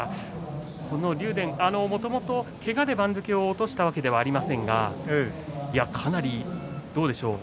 竜電、もともとけがで番付を落としたわけではありませんがどうでしょう？